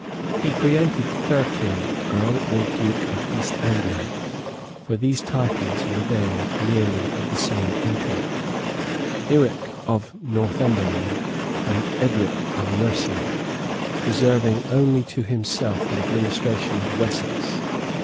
He created Thurkill earl or duke of East Anglia, (for these titles were then nearly of the same import,) Yric of Northumberland, and Edric of Mercia; reserving only to himself the administration of Wessex.